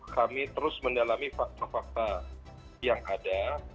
kami terus mendalami fakta fakta yang ada